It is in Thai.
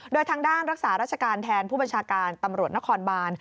โดยทางด้านรักษาราชการแทนผู้บัญชาการตำรวจนครบาน